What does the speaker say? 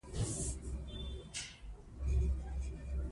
د اصفهان خلک د افغانانو راتګ اورېدلی و.